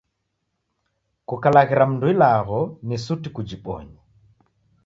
Kukalaghira mndu ilagho ni suti kujibonye.